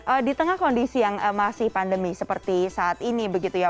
ada kondisi yang masih pandemi seperti saat ini begitu ya